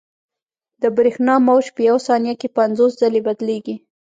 د برېښنا موج په یوه ثانیه کې پنځوس ځلې بدلېږي.